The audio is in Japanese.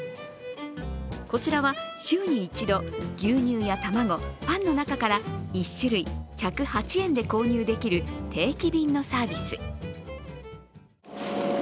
こちらは週に１度、牛乳や卵、パンの中から、１種類、１０８円で購入できる定期便のサービス。